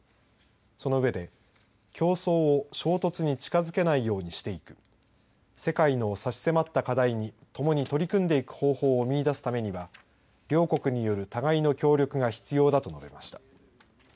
その上で競争を衝突に近づけないようにしていく世界の差し迫った課題に共に取り組んでいく方法を見いだすためには両国による互いの協力が必要だと述べました。